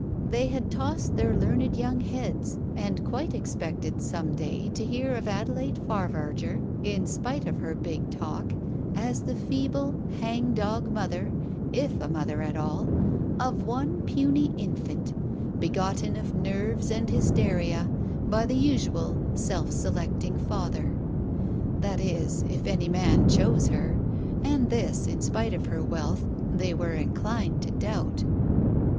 They had tossed their learned young heads, and quite expected, some day, to hear of Adelaide Favarger, in spite of her big talk, as the feeble hang dog mother, if a mother at all, of one puny infant, be gotten of nerves and hysteria, by the usual self selecting father. That is, if any man chose her, and this, in spite of her wealth, they were inclined to doubt.